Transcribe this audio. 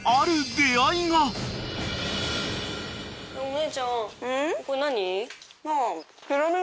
お姉ちゃんこれ何？